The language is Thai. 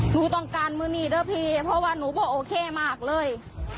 หนูต้องการมือนี้เด้อพี่เพราะว่าหนูบอกโอเคมากเลย